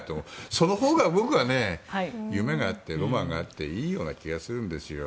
そのほうが僕は夢があってロマンがあっていいような気がするんですよ。